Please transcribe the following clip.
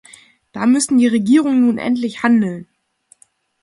Da müssen die Regierungen nun endlich handeln!